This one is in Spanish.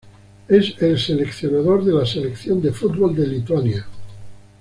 Es el seleccionador de la selección de fútbol de Lituania.